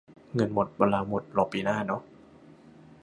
เงินหมด วันลาหมด รอปีหน้าเนอะ